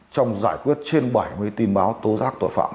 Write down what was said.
trong giải quyết trên bảy mươi tin báo tố giác tội phạm